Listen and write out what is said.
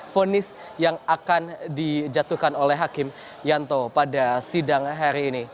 fonis yang akan dijatuhkan oleh hakim yanto pada sidang hari ini